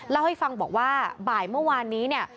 เล่าให้ฟังบอกว่าบ่ายเมื่อวานนี้เนี่ย